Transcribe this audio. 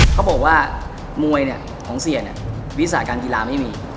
เขาบอกว่ามวยของเซียนวิศาการกีฬาไม่มี